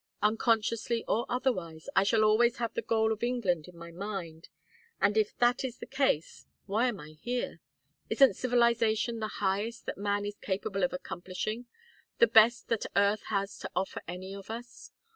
Unconsciously, or otherwise, I shall always have the goal of England in my mind and if that is the case, why am I here? Isn't civilization the highest that man is capable of accomplishing, the best that Earth has to offer any of us?